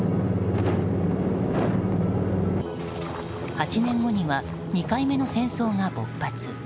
８年後には２回目の戦争が勃発。